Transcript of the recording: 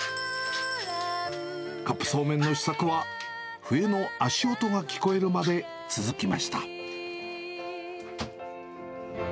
カップそうめんの試作は、冬の足音が聞こえるまで続きました。